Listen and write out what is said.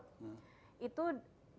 itu penjahitnya sama orang lain